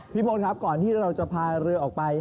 พี่พลครับก่อนที่เราจะพาเรือออกไป